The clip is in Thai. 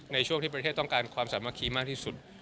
ในช่วงที่ประเทศต้องการความสามัคคีมากที่สุด